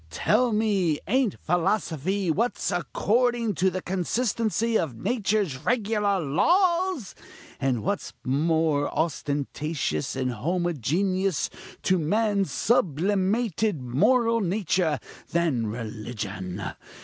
tell me, ain't philosophy what's according to the consistency of nature's regular laws? and what's more onsentaneous and homogeneous to man's sublimated moral nature, than religion?